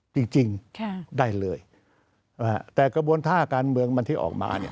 จริงจริงค่ะได้เลยแต่กระบวนท่าการเมืองมันที่ออกมาเนี่ย